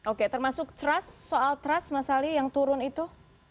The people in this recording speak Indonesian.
oke termasuk trust soal trust mas ali yang turun itu